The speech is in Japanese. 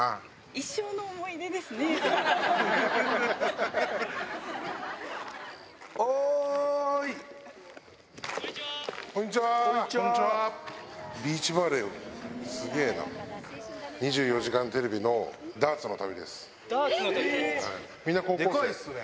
一生の思い出ですね。